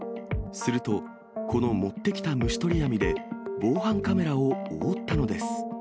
すると、この持ってきた虫取り網で防犯カメラを覆ったのです。